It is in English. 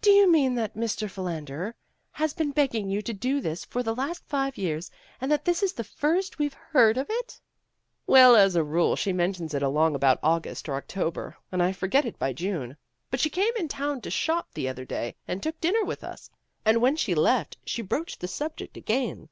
"Do you mean that Mrs. Philan der has been begging you to do this for the last five years, and that this is the first we've heard of it?" 42 PEGGY RAYMOND'S WAY "Well, as a rule she mentions it along about August, or October, and I forget it by June. But she came in town to shop the other day and took dinner with us, and when she left, she broached the subject again.